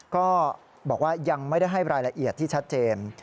ก็บอกว่ายังไม่ได้ให้รายละเอียดที่ชัดเจน